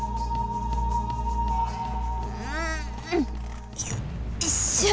うんよいしょっ。